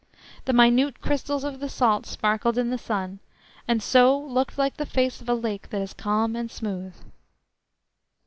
The minute crystals of the salt sparkled in the sun, and so looked like the face of a lake that is calm and smooth.